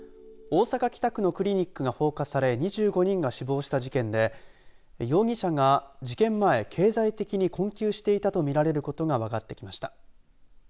大阪、北区のクリニックが放火され２５人が死亡した事件で容疑者が事件前、経済的に困窮していたとみられることが分かってきました。